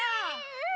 うん！